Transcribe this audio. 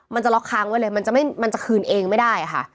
มันจะล็อกค้างไว้เลยมันจะคืนเองไม่ได้ค่ะ